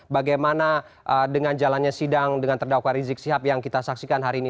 bagaimana dengan jalannya sidang dengan terdakwa rizik sihab yang kita saksikan hari ini